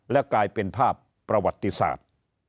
และกลายเป็นภาพประวัติศาสตร์